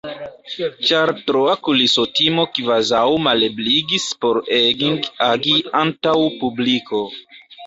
Ĉar troa kulisotimo kvazaŭ malebligis por Egging agi antaŭ publiko.